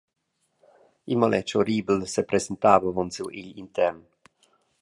In maletg horribel sepresentava avon siu egl intern.